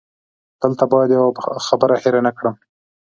دلته باید یوه خبره هېره نه کړم.